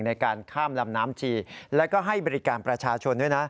ในการข้ามลำน้ำชีแล้วก็ให้บริการประชาชนด้วยนะ